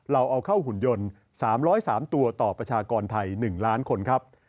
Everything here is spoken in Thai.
เราเอาเข้าหุ่นยนต์๓๐๓ตัวต่อประชากรไทย๑ล้านคนครับ